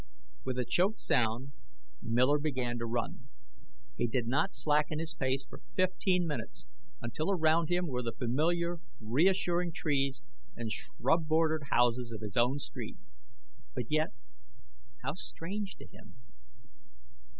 With a choked sound, Miller began to run. He did not slacken his pace for fifteen minutes, until around him were the familiar, reassuring trees and shrub bordered houses of his own street. But yet how strange to him!